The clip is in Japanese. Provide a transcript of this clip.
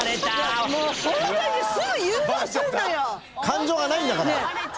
感情がないんだから。